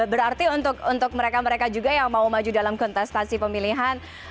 berarti untuk mereka mereka juga yang mau maju dalam kontestasi pemilihan